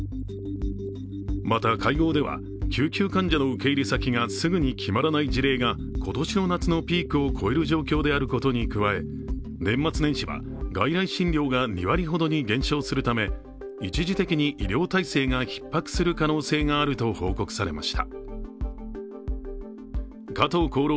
また会合では、救急患者の受け入れ先がすぐに決まらない事例が今年の夏のピークを超える状況であることに加え年末年始は外来診療が２割ほどの減少するため一時的に医療体制がひっ迫する可能性があると報告されました。